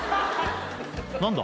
何だ？